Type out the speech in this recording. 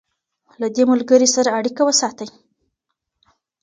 له دې ملګري سره اړیکه وساتئ.